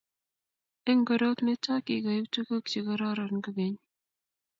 eng korot nitok kigoib tuguk chegororon kogeny